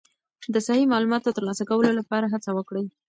د صحیح معلوماتو ترلاسه کولو لپاره هڅه وکړئ.